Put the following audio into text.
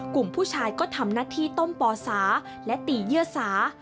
กลุ่มผู้ชายก็ทำหน้าที่ต้มปอสาและตีเยื่อสา